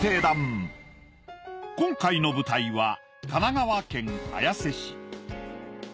今回の舞台は神奈川県綾瀬市。